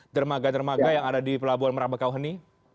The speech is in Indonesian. dermaga dermaga yang ada di pelabuhan merak bekauheni